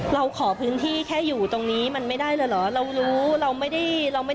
เราขอพื้นที่แค่อยู่ตรงนี้มันไม่ได้เลยเหรอเรารู้เราไม่ได้เราไม่